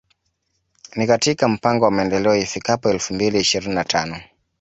Ni katika mpango wa Maendeleo ifikapo elfu mbili ishirini na tano